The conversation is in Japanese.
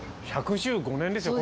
１１５年ですよ